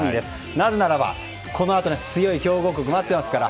なぜならば、このあとに強豪国が待っていますから。